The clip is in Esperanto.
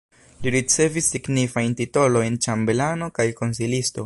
Li ricevis signifajn titolojn ĉambelano kaj konsilisto.